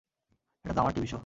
এটা তো আমার টিভি শো!